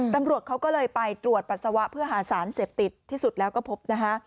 ตำรวจเขาก็เลยไปตรวจปัสสาวะเพื่อหาสารเสพติดที่สุดแล้วก็พบนะคะ